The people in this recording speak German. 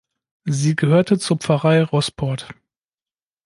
Sie gehörte zur Pfarrei Rosport.